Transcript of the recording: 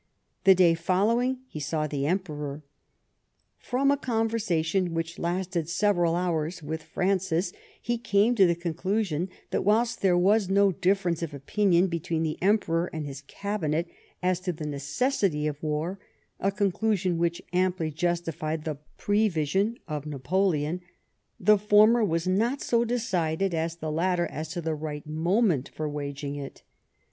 The day following he saw the Emperor. From a con versation which lasted several hours with Francis he came to the conclusion that whilst there was no difference of opinion between the Emperor and his Cabinet as to the necessity of war — a conclusion which amply justified the prevision of Napoleon — the former was not so decided as tlie latter as to the right moment for waging it.